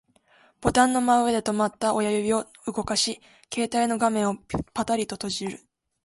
ボタンの真上で止まった親指を動かし、携帯の画面をパタリと閉じる